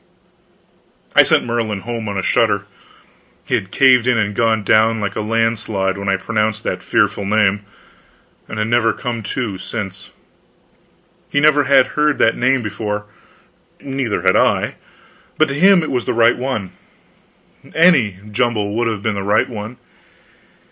I sent Merlin home on a shutter. He had caved in and gone down like a landslide when I pronounced that fearful name, and had never come to since. He never had heard that name before, neither had I but to him it was the right one. Any jumble would have been the right one.